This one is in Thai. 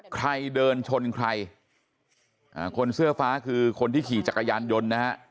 ใครเดินชนใครอ่าคนเสื้อฟ้าคือคนที่ขี่จักรยานยนต์นะฮะ